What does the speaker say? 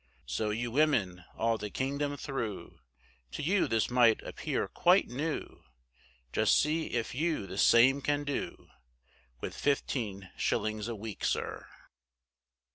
So you women all the kingdom through, To you this might appear quite new, Just see if you the same can do, With fifteen shillings a week, sir.